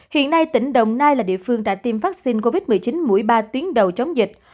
hiện nay tỉnh đồng nai là địa phương đã tiêm vaccine covid một mươi chín mũi ba tuyến đầu chống dịch